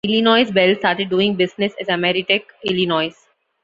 Illinois Bell started doing business as Ameritech Illinois.